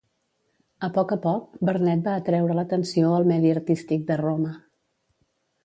A poc a poc, Vernet va atreure l'atenció al medi artístic de Roma.